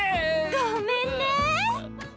ごめんね。